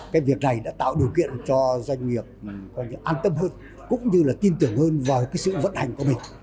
cái việc này đã tạo điều kiện cho doanh nghiệp an tâm hơn cũng như là tin tưởng hơn vào cái sự vận hành của mình